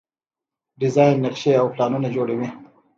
ډیزاین نقشې او پلانونه جوړوي.